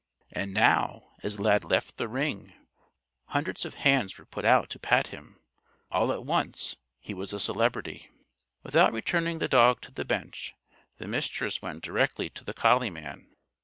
And now, as Lad left the ring, hundreds of hands were put out to pat him. All at once he was a celebrity. Without returning the dog to the bench, the Mistress went directly to the collie man.